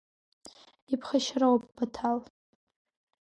Иԥха-шьароуп, Баҭал.